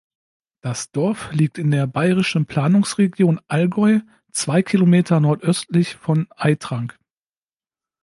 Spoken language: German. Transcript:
Das Dorf liegt in der bayerischen Planungsregion Allgäu, zwei Kilometer nordöstlich von Aitrang.